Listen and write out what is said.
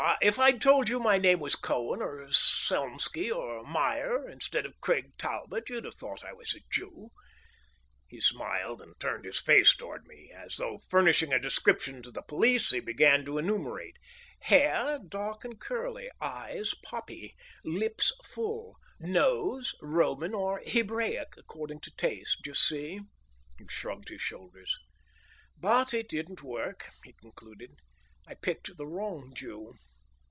If I'd told you my name was Cohen, or Selmsky, or Meyer, instead of Craig Talbot, you'd have thought I was a Jew." He smiled and turned his face toward me. As though furnishing a description for the police, he began to enumerate: "Hair, dark and curly; eyes, poppy; lips, full; nose, Roman or Hebraic, according to taste. Do you see?" He shrugged his shoulders. "But it didn't work," he concluded. "I picked the wrong Jew."